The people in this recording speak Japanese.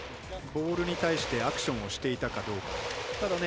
ボールに対してアクションをしていたかどうか。